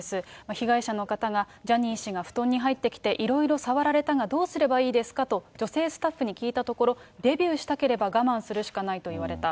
被害者の方が、ジャニー氏が布団に入ってきて、いろいろ触られたがどうすればいいですかと女性スタッフに聞いたところ、デビューしたければ我慢するしかないと言われた。